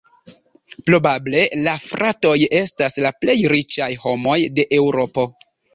Probable la fratoj estas la plej riĉaj homoj de Eŭropo.